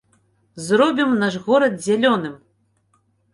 Зробім наш горад зялёным!